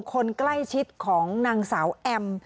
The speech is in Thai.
คนใกล้ชิดของนางสาวแอม